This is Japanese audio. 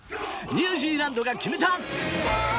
ニュージーランドが決めた！